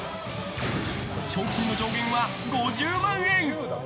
賞金の上限は５０万円！